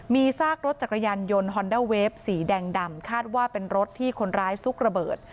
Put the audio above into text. มีซากรถจักรยานยนต์ฮอนด้าเวฟสีแดงดำคาดว่าเป็นรถที่คนร้ายซุกระเบิด